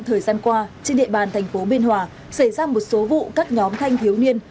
thời gian qua trên địa bàn thành phố biên hòa xảy ra một số vụ các nhóm thanh thiếu niên